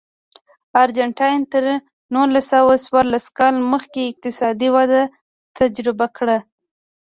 ارجنټاین تر نولس سوه څوارلس کال مخکې اقتصادي وده تجربه کړه.